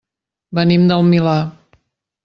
Venim del Milà.